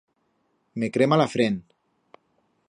Me crema la frent.